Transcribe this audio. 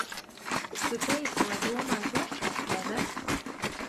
Tu teici, lai domāju plašāk, vai ne?